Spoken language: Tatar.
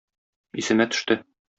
Исемә төште.